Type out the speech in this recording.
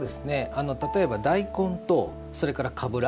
例えば、大根とそれから、かぶら。